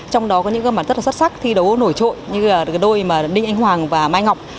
trong đó có những cây vợt rất là xuất sắc thi đấu nổi trội như đôi đinh anh hoàng và mai ngọc